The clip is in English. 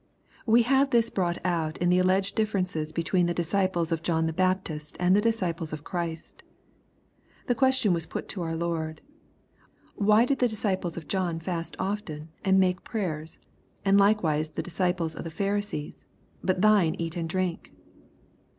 We have this brought out in the alleged difference between the disciples of John the Bap tist, and the disciples of Christ. The question was put to our Lord, " Why do the disciples ot John fast often, and make prayers, and likewise the disciples of the Pharisees, but thine eat and drink